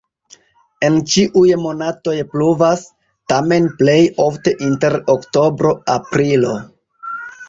En ĉiuj monatoj pluvas, tamen plej ofte inter oktobro-aprilo.